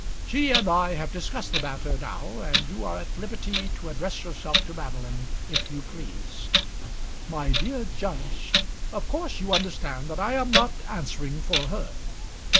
"She and I have discussed the matter now, and you are at liberty to address yourself to Madeline if you please." "My dear judge " "Of course you understand that I am not answering for her?"